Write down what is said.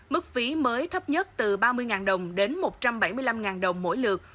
mức phí mới thấp nhất từ ba mươi đồng đến một trăm bảy mươi năm đồng mỗi lượt